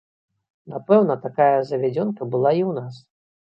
Напэўна, такая завядзёнка была і ў нас.